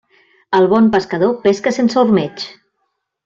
El bon pescador pesca sense ormeig.